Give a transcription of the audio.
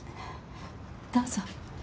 どうぞ。